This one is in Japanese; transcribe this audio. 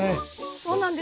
そうなんです。